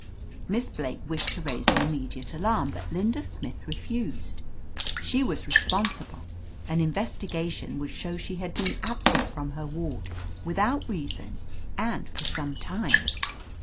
"Miss Blake wished to raise an immediate alarm, but Linda Smith refused. She was re sponsible: an investigation would show sh^ had been absent from her ward without reason, and for some time.